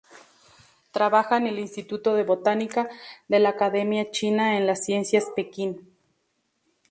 Trabaja en el "Instituto de Botánica" de la Academia China de las Ciencias, Pekín.